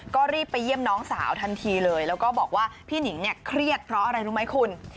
ก็รีบไปเยี่ยมน้องสาวทันทีเลยแล้วก็บอกว่าพี่หนิงเนี่ยเครียดเพราะอะไรรู้ไหมคุณ